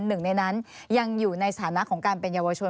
หนึ่งในนั้นยังอยู่ในสถานะของการเป็นเยาวชน